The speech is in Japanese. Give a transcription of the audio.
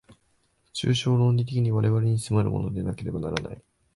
抽象論理的に我々に迫るものでなければならない。